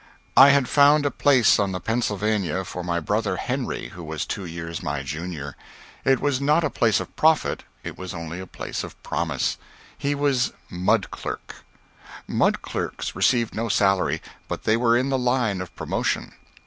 I had found a place on the "Pennsylvania" for my brother Henry, who was two years my junior. It was not a place of profit, it was only a place of promise. He was "mud" clerk. Mud clerks received no salary, but they were in the line of promotion.